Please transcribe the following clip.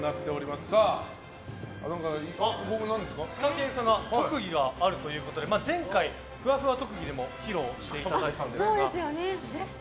ツカケンさんが特技があるということで前回、ふわふわ特技でも披露していただいた。